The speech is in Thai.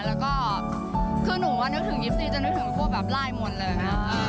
แล้วก็คือหนูว่านึกถึงยิปซีจะนึกถึงพวกแบบลายมนต์เลยนะ